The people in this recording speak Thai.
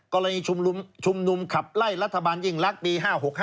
กรณีชุมนุมขับไล่รัฐบาลยิ่งรักปี๕๖๕